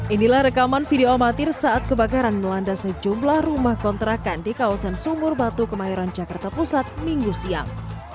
inilah rekaman video amatir saat kebakaran melanda sejumlah rumah kontrakan di kawasan sumur batu kemayoran jakarta pusat minggu siang